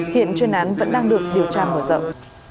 hiện chuyên án vẫn đang được điều tra mở rộng